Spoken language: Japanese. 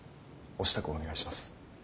お支度をお願いします。